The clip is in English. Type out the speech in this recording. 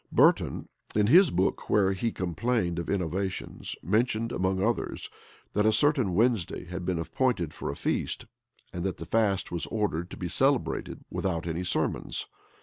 Burton, in his book where he complained of innovations mentioned, among others, that a certain Wednesday had been appointed for a fast, and that the fast was ordered to be celebrated without any sermons.